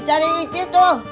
cari ici tuh